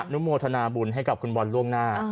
นุโมทนาบุญให้กับคุณบอลล่วงหน้า